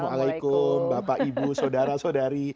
assalamualaikum bapak ibu sodara sodari